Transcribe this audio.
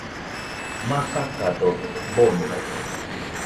Masakado bono